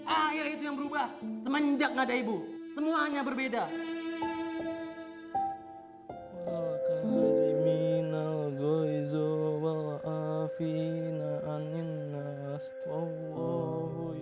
ayah itu yang berubah semenjak gak ada ibu semuanya berbeda